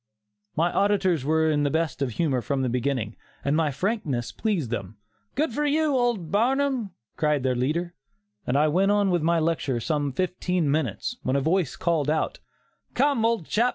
'" My auditors were in the best of humor from the beginning, and my frankness pleased them. "Good for you, old Barnum," cried their leader; and I went on with my lecture for some fifteen minutes, when a voice called out: "Come, old chap!